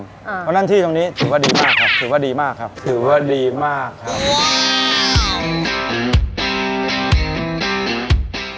เพราะฉะนั้นที่ตรงนี้ถือว่าดีมากครับถือว่าดีมากครับถือว่าดีมากครับ